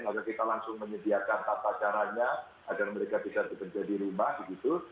maka kita langsung menyediakan tata caranya agar mereka bisa bekerja di rumah begitu